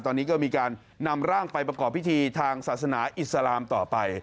ตอนนี้ก็มีการนำร่างไปประกอบพิธีทางศาสนาอิสลามต่อไป